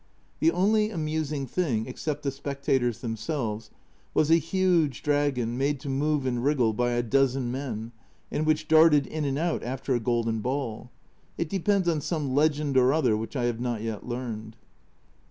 The only amusing thing except the spectators themselves was a huge dragon made to move and wriggle by a dozen men, and which darted in and out after a golden ball it depends on some legend or other which I have not yet learned.